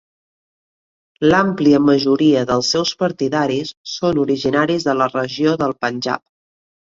L'àmplia majoria dels seus partidaris són originaris de la regió del Panjab.